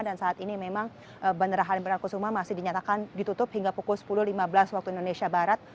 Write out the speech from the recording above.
dan saat ini memang bandara halimberan kusuma masih dinyatakan ditutup hingga pukul sepuluh lima belas waktu indonesia barat